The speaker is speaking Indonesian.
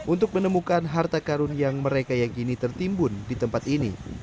untuk menemukan harta karun yang mereka yang kini tertimbun di tempat ini